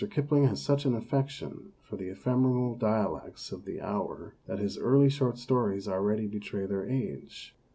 Kipling has such an affection for the ephemeral dialects of the hour that his early short stories already betray their age.